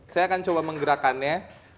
saya akan coba menggerakannya